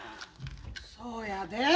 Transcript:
そうやで。